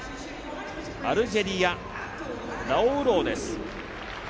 アルジェリア、ラオウロウです。